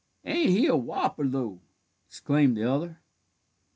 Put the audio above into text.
"Ain't he a whopper, though!" exclaimed the other.